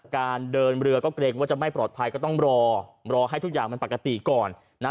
การเดินเรือก็เกรงว่าจะไม่ปลอดภัยก็ต้องรอรอให้ทุกอย่างมันปกติก่อนนะ